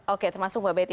oke termasuk mbak betty